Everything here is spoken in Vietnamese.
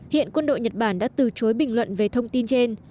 hiện quân đội nhật bản đã từ chối bình luận về thông tin trên